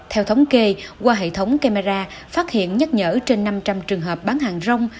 theo thống kê qua hệ thống camera phát hiện nhắc nhở trên năm trăm linh trường hợp bán hàng rong